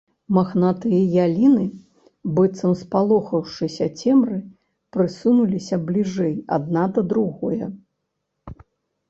Махнатыя яліны, быццам спалохаўшыся цемры, прысунуліся бліжэй адна да другое.